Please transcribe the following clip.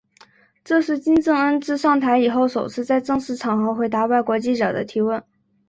这是金正恩自上台以后首次在正式场合回答外国记者的提问。